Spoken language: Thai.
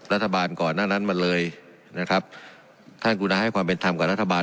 รัฐบาลก่อนหน้านั้นมาเลยนะครับท่านกุณาให้ความเป็นธรรมกับรัฐบาล